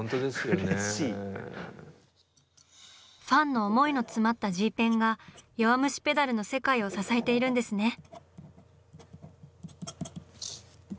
ファンの思いの詰まったＧペンが「弱虫ペダル」の世界を支えているんですね。